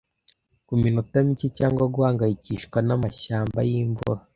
kuminota mike, cyangwa guhangayikishwa namashyamba yimvura,